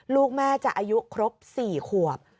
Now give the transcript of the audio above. ลูกแม่จะอายุครบ๔ขวบ